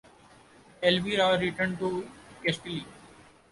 Elvira returned to Castile.